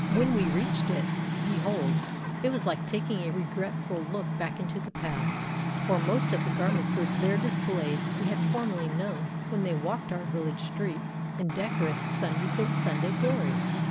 When we reached it, behold, it was like taking a regretful look back into the past, for most of the garments there displayed we had formerly known when they walked our village street in decorous Sunday glory.